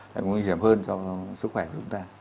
thì cũng nguy hiểm hơn cho sức khỏe của chúng ta